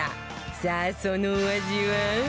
さあそのお味は？